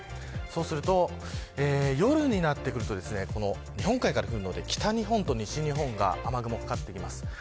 そうすると、夜になってくると日本海からくるので、北日本と西日本に雨雲がかかってきます。